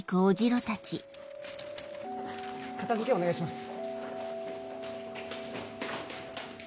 片付けお願いします。